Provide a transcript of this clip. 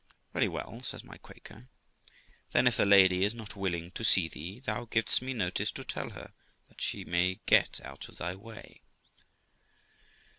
'Very well' says my Quaker; 'then if the lady is not willing to see thee, thou givest me notice to tell her, that she may get out of thy way.'